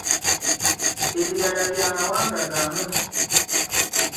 Ebirala bya mawanga gamu.